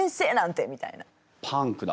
パンクだ。